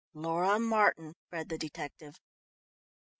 "'Laura Martin,'" read the detective.